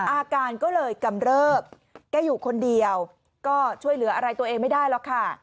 อาการก็เลยกำเริบแกอยู่คนเดียวก็ช่วยเหลืออะไรตัวเองไม่ได้หรอกค่ะ